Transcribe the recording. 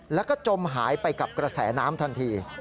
แล้วก็จมหายไปกับกระแสน้ำทันที